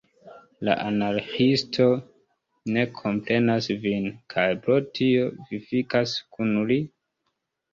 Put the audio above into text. La Anarĥiisto ne komprenas vin, kaj pro tio vi fikas kun li?